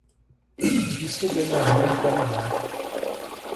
Isso ganharia em qualidade.